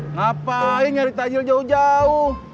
ngapain nyari takjil jauh jauh